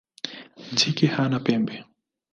Jike hana pembe.